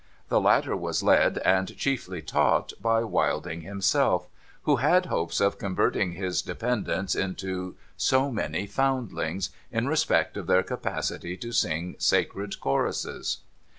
The latter was led, and chiefly taught, by Wilding himself: who had hopes of converting his dependents into so many Foundlings, in respect of their cai)acity to sing sacred choruses.